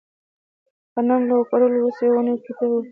غنم له کرلو ورسته په یوه اونۍ کې تېغ وهي.